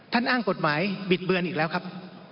อ้างกฎหมายบิดเบือนอีกแล้วครับ